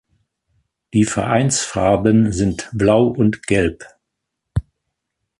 Die Vereinsfarben sind Blau und Gelb.